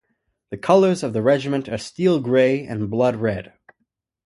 The colours of the Regiment are Steel Grey and Blood Red.